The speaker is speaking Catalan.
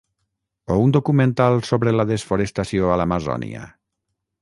O un documental sobre la desforestació a l'Amazònia?